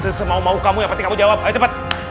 sesemau mau kamu yang penting kamu jawab ayo cepat